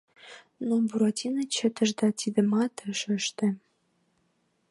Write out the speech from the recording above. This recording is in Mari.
Но Буратино чытыш да тидымат ыш ыште.